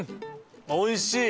おいしい！